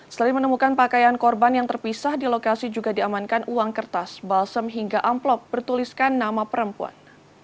selain menemukan pakaian korban yang terpisah di lokasi juga diamankan uang kertas balsem hingga amplop bertuliskan nama perempuan